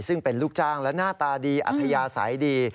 ซึ่งเป็นลูกจ้างและหน้าตาดีอัธยาศัยดี